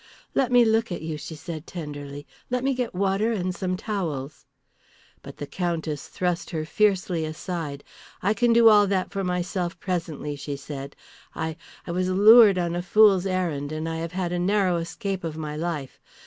"Let me look at you," she said, tenderly. "Let me get water and some towels." But the Countess thrust her fiercely aside. "I can do all that for myself presently," she said. "I I was lured on a fool's errand, and I have had a narrow escape of my life.